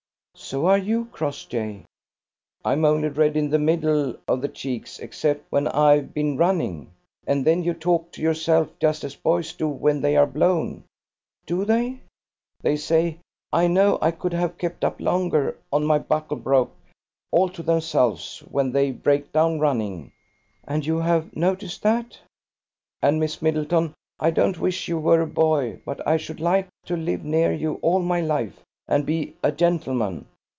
"So are you, Crossjay." "I'm only red in the middle of the cheeks, except when I've been running. And then you talk to yourself, just as boys do when they are blown." "Do they?" "They say: 'I know I could have kept up longer', or, 'my buckle broke', all to themselves, when they break down running." "And you have noticed that?" "And, Miss Middleton, I don't wish you were a boy, but I should like to live near you all my life and be a gentleman.